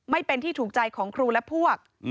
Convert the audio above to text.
ไม่เป็นที่ถูกใจของครูและพวก